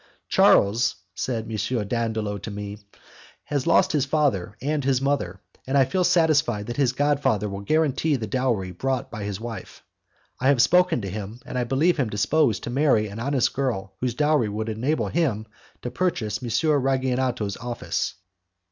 "Charles," said M. Dandolo to me, "has lost his father and his mother, and I feel satisfied that his godfather will guarantee the dowry brought by his wife. I have spoken to him, and I believe him disposed to marry an honest girl whose dowry would enable him to purchase M. Ragionato's office."